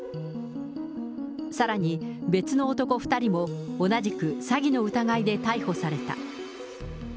さらに別の男２人も同じく詐欺の疑いで逮捕された。